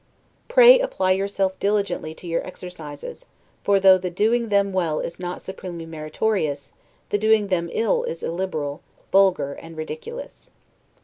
Pray apply yourself diligently to your exercises; for though the doing them well is not supremely meritorious, the doing them ill is illiberal, vulgar, and ridiculous.